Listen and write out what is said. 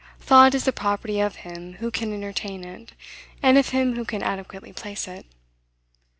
Thought is the property of him who can entertain it; and of him who can adequately place it.